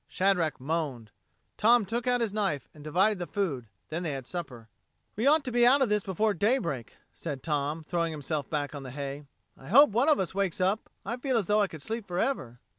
Shadrack moaned. Tom took out his knife and divided the food; then they had supper. "We ought to be out of this before daybreak," said Tom, throwing himself back on the hay. "I hope one of us wakes up. I feel as though I could sleep forever."